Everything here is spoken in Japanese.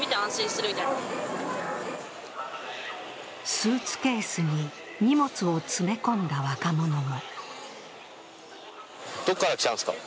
スーツケースに荷物を詰め込んだ若者も。